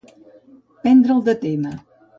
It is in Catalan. Prendre'l de tema.